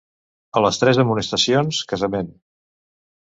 A les tres amonestacions, casament.